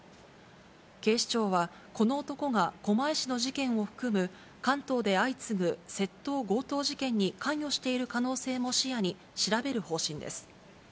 警視庁は、この男が狛江市の事件を含む関東で相次ぐ窃盗・強盗事件に関与している可能性も視野に、調べる方針です。